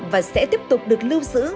và sẽ tiếp tục được lưu giữ